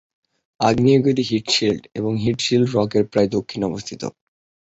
আগ্নেয়গিরিটি Heat Shield এবং Heat Shield রকের প্রায় দক্ষিণে অবস্থিত।